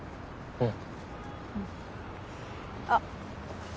うん。